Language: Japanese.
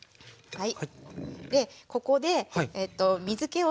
はい。